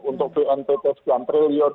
untuk bnpt sekian triliun